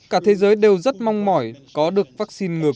cả thế giới đều rất mong mỏi có được vaccine ngừa covid một mươi chín